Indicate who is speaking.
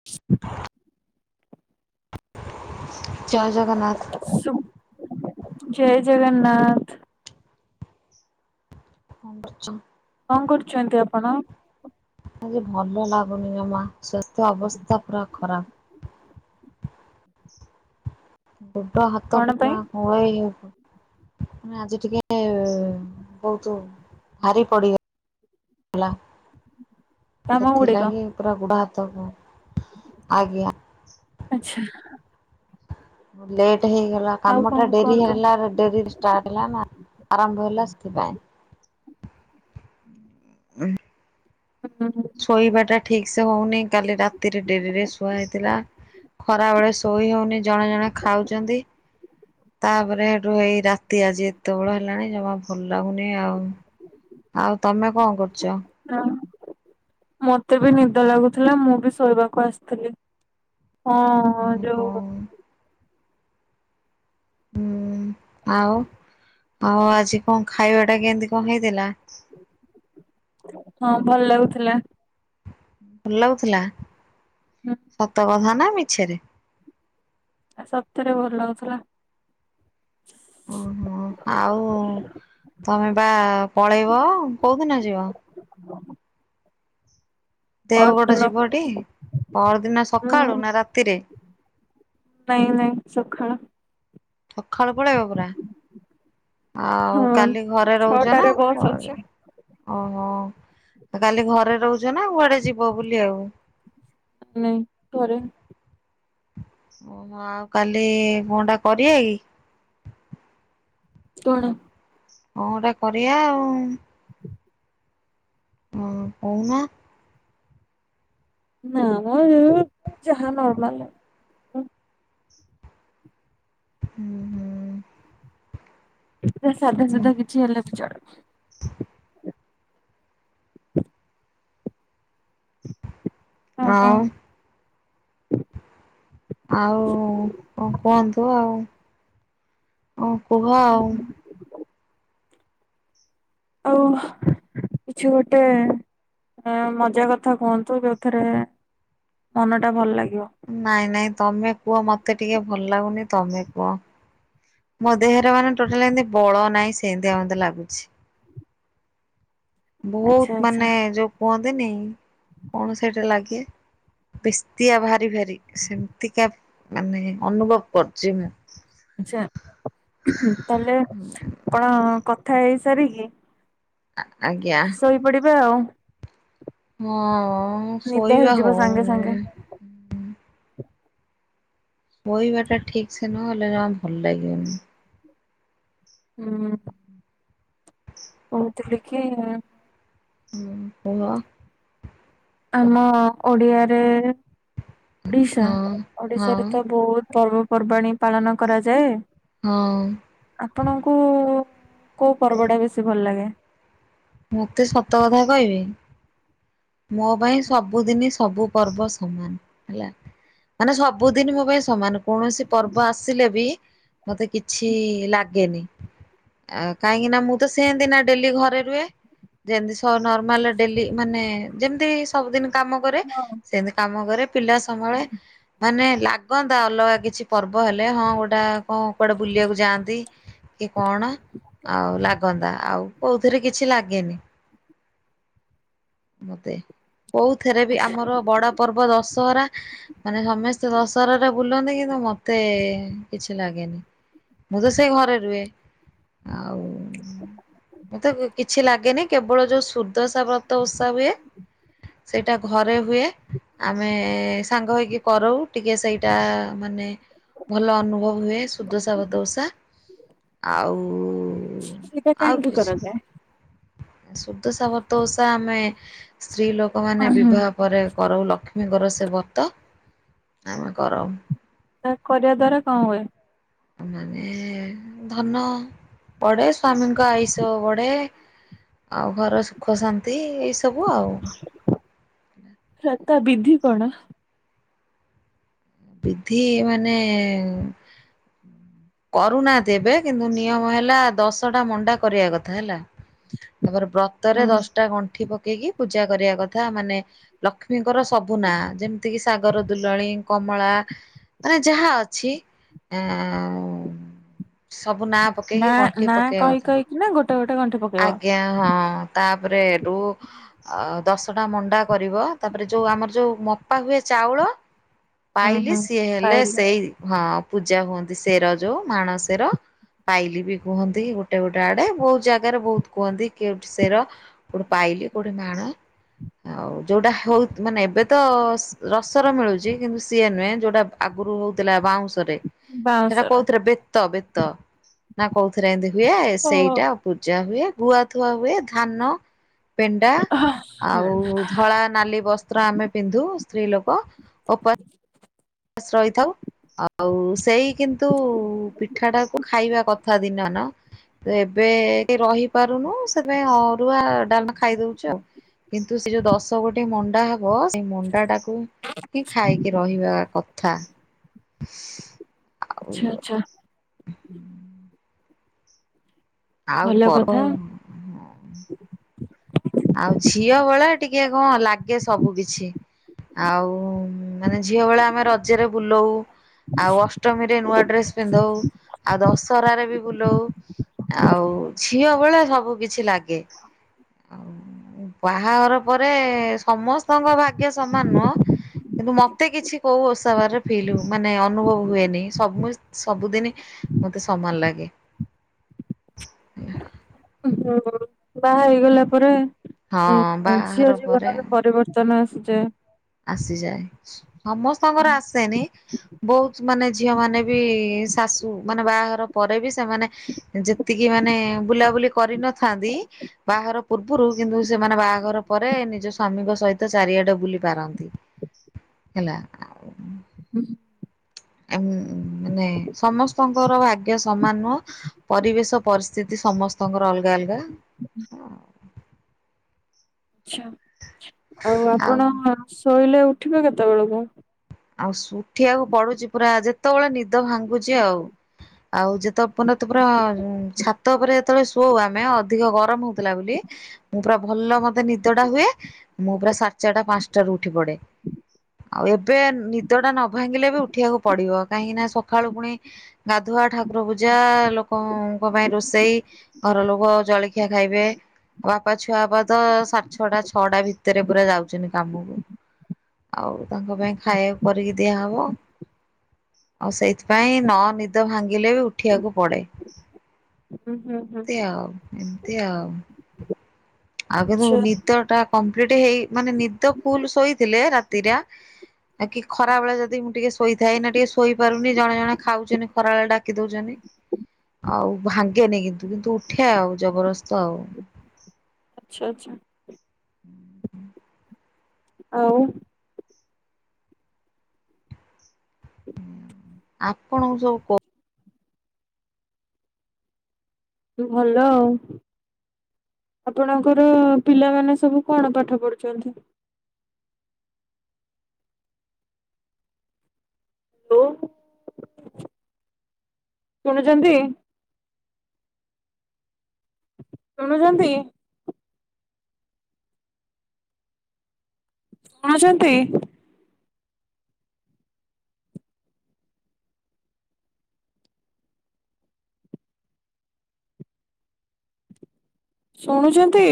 Speaker 1: [unintelligible]
Speaker 2: ଜୟ ଜଗନ୍ନାଥ।
Speaker 1: ଶୁ- ଜୟ ଜଗନ୍ନାଥ।
Speaker 2: ହଁ ବସିଚି।
Speaker 1: କଣ କରୁଛନ୍ତି ଆପଣ?
Speaker 2: ଆଜି ଭଲ ଲାଗୁନି ଜମା ସ୍ଵାସ୍ଥ୍ୟ ଅବସ୍ଥା ପୁରା ଖରାପ। ଗୁଡ ହାତ
Speaker 1: କଣ ପାଇଁ
Speaker 2: ପୁରା ଉଳେଇ ହେଉଛୁ। ମୁଁ ଆଜି ଟିକେ ବହୁତୁ ଭାରି ପଡିଗ ହେଲା
Speaker 1: କାମ ଗୁଡିକ
Speaker 2: ସେଥିଲାଗି ପୁରା ଗୁଡ ହାତ କଁ ଆଜ୍ଞା
Speaker 1: ଆଚ୍ଛା।
Speaker 2: ମୋ ଲେଟ୍ ହେଇଗଲା
Speaker 1: ଆଉ
Speaker 2: କାମଟା
Speaker 1: କଣ
Speaker 2: ଡେରି
Speaker 1: କୁହନ୍ତୁ?
Speaker 2: ହେଲା ରେ ଡେରିରେ ଷ୍ଟାଟ୍ ହେଲା ନା, ଆରମ୍ଭ ହେଲା ସେଥିପାଇଁ। ଉଁହୁଁ,
Speaker 1: [inaudible]
Speaker 2: ଶୋଇବା ଟା ଠିକ୍ ସେ ହଉନି, କାଲି ରାତିରେ ଡେରିରେ ଶୁଆ ହେଇଥିଲା। ଖରା ବେଳେ ଶୋଇ ହଉନି, ଜଣେ ଜଣେ ଖାଉଛନ୍ତି। ତା'ପରେ ହେଠୁ ଏଇ ରାତି ଆଜି ଏତେ ବଳ ହେଲାଣି, ଜମା ଭଲ ଲାଗୁନି ଆଉ। ଆଉ, ତମେ କଣ କରୁଚ?
Speaker 1: ହଁ, ମତେ ବି ନିଦ ଲାଗୁଥିଲା। ମୁଁ ବି ଶୋଇବାକୁ ଆସିଥିଲି। ହଁ,
Speaker 2: ମୁଁ
Speaker 1: ଯଉ।
Speaker 2: କଣ ହୁଁ, ଆଉ ଆଉ, ଆଜି କଣ ଖାଇବା ଟା, କେଁତି କଣ ହେଇଥିଲା?
Speaker 1: ହଁ, ଭଲ ଲାଗୁଥିଲା।
Speaker 2: ଭଲ ଲାଗୁଥିଲା।
Speaker 1: ହୁଁ।
Speaker 2: ସତ କଥା ନା ମିଛରେ!
Speaker 1: ଆ, ସତରେ ଭଲ ଲାଗୁଥୁଲା।
Speaker 2: ଓହୋ! ଆଉ ତମେ ବା, ପଳେଇବ କୋଉଦିନ ଯିବ?
Speaker 1: ହଁ
Speaker 2: ଦେଓଗଡ଼ ଯିବଟି, ପର୍ ଦିନ ସକାଳୁ
Speaker 1: ହୁଁ
Speaker 2: ନା ରାତିରେ?
Speaker 1: ନାଇଁ ନାଇଁ ସଖାଳ।
Speaker 2: ସଖାଳୁ ପଳେଇବ ପୁରା?
Speaker 1: ହଁ
Speaker 2: ଆଉ କାଲି ଘରେ ରହୁଛ ନା
Speaker 1: ଛଅଟାରେ ବସ୍
Speaker 2: କୁଆଡେ?
Speaker 1: ଅଛି।
Speaker 2: ଓହୋ! କାଲି ଘରେ ରହୁଛ ନା, କୁଆଡେ ଯିବ ବୁଲିଆକୁ?
Speaker 1: ନାଇଁ ଘରେ
Speaker 2: ଓହ, ଆଉ କାଲି କଣ ଟା କରିଆ କି?
Speaker 1: କଣ?
Speaker 2: କଁ ଗୋଟେ କରିଆ ଆଉଁ? ଓହୋ! କହୁନ?
Speaker 1: ନାଁ -ଆ ମଁ ଯଉ, ଯାହା ନର୍ମାଲ
Speaker 2: ହୁଁ, ହୁଁ।
Speaker 1: ପୁରା ସାଧା
Speaker 2: ହୁଁ
Speaker 1: ସିଧା କିଛି ହେଲେ ବି ଚଳିବ! ଆଉ କଣ
Speaker 2: ଆଉଁ ଆଉ-ଉ, କଁ କୁହନ୍ତୁ ଆଉ? ଅଁ କୁହ ଆଉ।
Speaker 1: ଆଉ
Speaker 2: ହୁଁ
Speaker 1: କିଛି ଗୋଟେ-ଏଁ ମଜା କଥା କୁହନ୍ତୁ? ଯୋଉଥିରେ ମନ ଟା ଭଲ ଲାଗିବ।
Speaker 2: ନାଇଁ, ନାଇଁ, ତମେ କୁହ ମତେ ଟିକେ ଭଲ ଲାଗୁନି, ତମେ କୁହ? ମୋ ଦେହରେ ମାନେ ଟୋଟାଲି ଏଁତି ବଳ ନାହିଁ, ସେଏଁତିଆ ମତେ ଲାଗୁଛି।
Speaker 1: ଆଚ୍ଛା
Speaker 2: ବହୁତ
Speaker 1: ଆଚ୍ଛା
Speaker 2: ମାନେ ଯୋଉ କୁହନ୍ତିନି, କଣ ସେଟା ଲାଗେ? ବେଶ୍ ତିଆ ଭାରି ଭାରି ସେମିତିକା ମାନେ ଅନୁଭବ କରୁଛି, ମୁଁ।
Speaker 1: ଆଛାଁ, ତାହେଲେ ଆପଣ କଥା ହେଇ ସାରିକି
Speaker 2: ଆ-ଆଜ୍ଞା।
Speaker 1: ଶୋଇପଡିବେ ଆଉଁ।
Speaker 2: ହଁ,
Speaker 1: ନିଦ
Speaker 2: ଶୋଇବା
Speaker 1: ହେଇଯିବ ସାଙ୍ଗେ
Speaker 2: ହଉନି।
Speaker 1: ସାଙ୍ଗେ।
Speaker 2: ଶୋଇବାଟା ଟା ଠିକ୍ ସେ ନହେଲେ, ଯମା ଭଲ ଲାଗିବନି।
Speaker 1: ହୁଁ। କହୁଥିଲି କିଁ
Speaker 2: ହୁଁ, କୁହ।
Speaker 1: ଆମ ଓଡ଼ିଆରେ ଓଡିଶା
Speaker 2: ହଁ ହଁ
Speaker 1: ଓଡିଶାରେ ତ ବହୁତ ପର୍ବପର୍ବାଣିୀ ପାଳନ କରାଯାଏ।
Speaker 2: ହଁ।
Speaker 1: ଆପଣଙ୍କୁ କୋଉ ପର୍ବ ଟା ବେଶୀ ଭଲ ଲାଗେ?
Speaker 2: ମତେ ସତ କଥା କହିବି? ମୋ ପାଇଁ ସବୁଦିନ ସବୁ ପର୍ବ ସମାନ ହେଲା। ମାନେ ସବୁଦିନ ମୋ ପାଇଁ ସମାନ କୌଣସି ପର୍ବ ଆସିଲେ ବି ମତେ କିଛି ଲାଗେନି। ଆ କାହିଁକି ନା ମୁଁ ତ ସେମିତି ନା ଡେଲି ଘରେ ରୁହେ। ଯେମିତି ସବ ନର୍ମାଲ ଡେଲି ମାନେ ଯେମିତି ସବୁଦିନ କାମ କରେ
Speaker 1: ହଁ
Speaker 2: ସେମିତି କାମ କରେ, ପିଲା ସମ୍ଭାଳେ ମାନେ ଲାଗ କନ୍ତା ଅଲଗା କିଛି ପର୍ବ ହେଲେ ହଁ ଗୋଟା କଣ କୁଆଡେ ବୁଲିବାକୁ ଯାଆନ୍ତି। କି କଣ ଆଉ ଲାଗନ୍ତା ଆଉ କୋଉଥିରେ କିଛି ଲାଗେନି। ମତେ କୋଉଥିରେ ବି ଆମର ବଡ ପର୍ବ ଦଶହରା। ମାନେ ସମସ୍ତେ ଦଶହରାରେ ବୁଲନ୍ତି କିନ୍ତୁ ମ ମତେ କିଛି ଲାଗେନି ମୁଁ ତ ସେ ଘରେ ରୁହେ। ଆଉ ମତେ କିଛି ଲାଗେନି କେବଳ ଯୋଉ ସୁଦସା ବ୍ର ତ ଓଷା ହୁଏ ସେଇଟା ଘରେ ହୁଏ। ଆମେ ସାଙ୍ଗ ହେଇକି କରୁ ଟିକେ ସେଇଟା ମାନେ ଭଲ ଅନୁଭବ ହୁଏ। ସୁୁଦଶା ବ୍ରତ ଓଷା। ଆଉ
Speaker 1: ଛି ଛି ଏଇଟା କାହିଁକି କରାଯାଏ?
Speaker 2: ସୁଦଶା ବ୍ରତ ଓଷା ଆମେ ସ୍ତ୍ରୀ ଲୋକମାନେ ବିବାହ ପରେ କରାଉ ଲକ୍ଷ୍ମୀଙ୍କର ସେ ବ୍ରତ ଆମେ କରାଉ।
Speaker 1: ଏହା କରିବା ଦ୍ଵାରା କ ହୁଏ?
Speaker 2: ମାନେ ଧନ ବଢେ, ସ୍ଵାମୀଙ୍କ ଆୟୁଷ ବଢେ। ଆଉ ଘର, ସୁଖ, ଶାନ୍ତି ଏଇସବୁ ଆଉ।
Speaker 1: ରତା ବିଧି କଣ?
Speaker 2: ବିଧି ମାନେ କରୁନାହାନ୍ତି ଏବେ। କିନ୍ତୁ, ନିୟମ ହେଲା ଦଶଟା ମଣ୍ଡା କରିବା କଥା ହେଲା। ତାପରେ ବ୍ରତରେ
Speaker 1: ହୁଁ।
Speaker 2: ଦଶଟା ଗଣ୍ଠି ପକେଇକି ପୂଜା କରିବା କଥା ମାନେ ଲକ୍ଷ୍ମୀଙ୍କର ସବୁ ନାଁ ଯେମିତିକି ସାଗର ଦୁଲଣି, କ ମଳା ମାନେ ଯାହା ଅଛି ଆ ସବୁ ନା ପକେଇକି ଗଣ୍ଠି
Speaker 1: ନା
Speaker 2: ପକେଇବା
Speaker 1: କହି କହିକି ନା ଗୋଟେ ଗୋଟେ ଗଣ୍ଠି
Speaker 2: କଥା।
Speaker 1: ପକେଇବ
Speaker 2: ଆଜ୍ଞା ହଁ। ତାପରେ ରୁ ଆଉ ଦଶଟା ମଣ୍ଡା କରିବ ତାପରେ ଯେଉଁ ଆମର ଯେଉଁ ମପା ହୁଏ ଚାଉଳ
Speaker 1: ହୁଁ
Speaker 2: ପାଇଲି
Speaker 1: ହୁଁ
Speaker 2: ସିଏ ହେଲେ
Speaker 1: ପାଇଲି
Speaker 2: ସେଇ ହଁ ପୂଜା ହୁଅନ୍ତି ସେର ଯୋଉ ମାଣ, ସେର। ପାଇଲି ବି କୁହନ୍ତି ଗୋଟେ ଗୋଟେ ଆଡେ ବହୁତ ଜାଗାରେ ବହୁତ କୁହନ୍ତି କେଉଠି ସେର। କୋଉଠି ପାଇଲି କୋଉଠି ମାଣ। ଆଉ ଯୋଉଟା ହଉ ମାନେ ଏବେ ତ ରସର ମିଳୁଛି କିନ୍ତୁ ସିଏ ନୁହେଁ ଯୋଉଟା ଆଗରୁ ହଉଥିଲା ବାଉଁଶରେ ସେଟା
Speaker 1: ବାଉଁଶର
Speaker 2: କହୁଥିରେ। ବେ ତ ବେତ ନା କହୁଉଥିରେ ଏମିତି ହୁଏ
Speaker 1: ଓ
Speaker 2: ସେଇଟା ପୂଜା ହୁଏ, ଗୁଆ ଥୁଆ ହୁଏ, ଧାନ ପେଣ୍ଡା ଆଉ
Speaker 1: ଆଚ୍ଛା
Speaker 2: ଧଳା, ନାଲି ବସ୍ ତ୍ର ଆମେ ପିନ୍ଧୁ ସ୍ତ୍ରୀ ଲୋକ ଉପ ବସ୍ ରହିଥାଉ। ଆଉ ସେଇ କିନ୍ତୁ ପିଠାଟାକୁ ଖାଇବା କଥା ଦିନାନ। ତ ଏବେ ରହିପାରୁନୁ ସେବେ ଆ ନୂଆ ଡାନ ଖାଇଦଉଛ ଆଉ କିନ୍ତୁ ସେ ଯୋଉ ଦଶ ଗୋଟି ମଣ୍ଡାରୁ ହ ସେଇ ମଣ୍ଡାଟାକୁ ଖାଇକି ରହିବା କଥା। ଆଉ
Speaker 1: ଆଚ୍ଛା, ଆଚ୍ଛା।
Speaker 2: ଆଉ
Speaker 1: ଭଲ
Speaker 2: କହ?
Speaker 1: କଥା
Speaker 2: ଆଉ ଝିଅ ବେଳା ଟିକେ କଣ ଲାଗେ ସବୁ କିଛି। ଆଉ ମାନେ ଝିଅ ବେଳା ଆମେ ରଜରେ ବୁଲଉ। ଆଉ ଅଷ୍ଟମୀରେ ନୂଆ ଡ୍ରେସ ପିନ୍ଧଉ। ଆଉ ଦଶ ହରାରେ ବି ବୁଲଉ ଆଉ ଝିଅ ଭଳିଆ ସବୁ କିଛି ଲାଗେ। ଆ ବାହାଘର ପରେ ସମସ୍ତଙ୍କ ଭାଗ୍ୟ ସମାନ ନୁହଁ। କିନ୍ତୁ ମତେ କିଛି କୋଉ ଓସାବାର ଫିଲ୍ ମାନେ ଅନୁଭବ ହୁଏନି ସ ସବୁଦିନି ମତେ ସମାନ ଲାଗେ।
Speaker 1: ବାହା ହେଇଗଲା ପରେ
Speaker 2: ହଁ ବାହାଘର
Speaker 1: ଝିଅ
Speaker 2: ପରେ
Speaker 1: ଜୀବନରେ ପରିବର୍ତନ ତମେ ଆସୁଛେ?
Speaker 2: ଆସିଯାଏ ସମସ୍ତଙ୍କର ଆସେନି। ବହୁତ ମାନେ ଝିଅ ମାନେ ବି ଶାଶୁ ମାନେ ବାହାଘର ପରେ ବି ସେମାନେ ଯେତିକି ମାନେ ବୁଲାବୁଲି କରିନଥାନ୍ତି ବାହାଘର ପୂର୍ବରୁ କିନ୍ତୁ ସେମାନେ ବାହାଘର ପରେ ନିଜ ସ୍ୱାମୀଙ୍କ ସହିତ ଚାରିଆଡେ ବୁଲି ପାରନ୍ତି। ହେଲା।
Speaker 1: ହୁଁ।
Speaker 2: ଆମ୍ ମାନେ ସମସ୍ତଙ୍କର ଭାଗ୍ୟ ସମାନ ନୁହଁ। ପରିବେଶ ପରିସ୍ଥିତି ସମସ୍ତଙ୍କର ଅଲଗା ଅଲଗା।
Speaker 1: ଆଛା ଆଉ ଆପଣ ଶୋଇଲେ ଉଠିବେ କେତେବେଳକୁ?
Speaker 2: ଆଉ ଉଠିବାକୁ ପଡୁଛି ପୁରା ଯେତେବେଳେ ନିଦ ଭାଙ୍ଗୁଛି ଆଉ। ଆଉ ଯେତେ ଉପନ ପୁରା ଛାତ ଉପରେ ଯେତେବେଳେ ଶୋଉ ଆମେ ଅଧିକ ଗରମ ହଉଥିଲା ବୋଲି ମୁଁ ପୁରା ଭଲ ମତେ ନିଦଟା ହୁଏ ମୁଁ ପୁରା ସାଚର୍ଟା ପାଞ୍ଚଟାରୁ ଉଠି ପଡେ। ଆଉ ଏବେ ନିଦଟା ନ ଭାଙ୍ଗିଲେ ବି ଉଠିବାକୁ ପଡିବ କାହିଁକି ନା ସକାଳୁ ପୁଣି ଗାଧୁଆ ଠାକୁର ପୂଜା ଲୋକଙ୍କ ପାଇଁ ରୋଷେଇ ଘର ଲୋକ ଜଳଖିଆ ଖାଇବେ। ଉଆ ବାପା ଛୁଆ ବା ତ ସାଢ଼ ଛଅଟା ଛଅଟା ଭିତରେ ପୁରା ଯାଉଛନ୍ତି କାମକୁ। ଆଉ ତାଙ୍କ ପାଇଁ ଖାଇବାକୁ କରିକି ଦିଆହବ। ଆଉ ସେଇଥିପାଇଁ
Speaker 1: ଆଛା
Speaker 2: ନ ନିଦ ଭାଙ୍ଗିଲେ ବି ଉଠିବାକୁ ପଡେ।
Speaker 1: ହୁଁ ହୁଁ ହୁଁ
Speaker 2: ଏମତି ଆଉ ଏମତି ଆଉ। ଆଉ କିନ୍ତୁ
Speaker 1: ଆଛା
Speaker 2: ନିଦ ଟା କମ୍ପ୍ଲିଟ ହେଇ ମାନେ ନିଦ ଫୁଲ ଶୋଇଥିଲେ ରାତିଟା ଆ କି ଖରାବେଳେ ଯଦି ମୁଁ ଟିକେ ଶୋଇଥାଏ ନା ଟିକେ ଶୋଇପାରୁନି ଜଣେ ଜଣେ ଖାଉଛନ୍ତି ଖରା ବେଳଟା। କି ଦଉଛନ୍ତି ଆଉ ଭାଙ୍ଗେନି କିନ୍ତୁ କିନ୍ତୁ ଉଠେ ଆଉ ଜବରଦସ୍ତ ଆଉ
Speaker 1: ଆଚ୍ଛା ଆଚ୍ଛା। ଆଉ
Speaker 2: ଆପଣଙ୍କୁ ସବୁ କ
Speaker 1: ଭଲ ଆଉ। ଆପଣଙ୍କର ପିଲାମାନେ ସବୁ କଣ ପାଠ ପଢୁଛନ୍ତି? ତୁ? ଶୁଣୁଛନ୍ତି। ଶୁଣୁଛନ୍ତି। ଶୁଣୁଛନ୍ତି? ଶୁଣୁଛନ୍ତି?